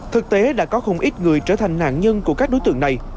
thực tế đã có không ít người trở thành nạn nhân của các đối tượng này